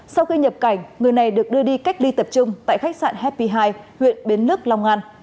sau khi nhập cảnh người này được đưa đi cách ly tập trung tại khách sạn hp hai huyện bến lức long an